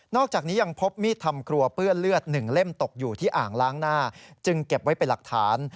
อกจากนี้ยังพบมีดทำครัวเปื้อนเลือด๑เล่มตกอยู่ที่อ่างล้างหน้าจึงเก็บไว้เป็นหลักฐาน